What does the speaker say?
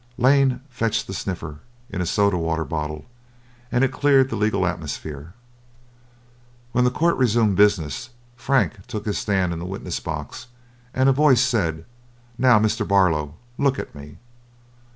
Lane fetched the stiffener in a soda water bottle, and it cleared the legal atmosphere. When the court resumed business, Frank took his stand in the witness box, and a voice said: "Now, Mr. Barlow, look at me."